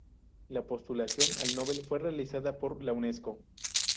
La postulación al Nobel fue realizada por la Unesco.